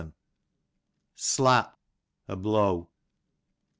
Slap, a blow.